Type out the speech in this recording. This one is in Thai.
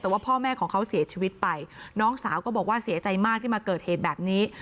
แต่ว่าพ่อแม่ของเขาเสียชีวิตไปน้องสาวก็บอกว่าเสียใจมากที่มาเกิดเหตุแบบนี้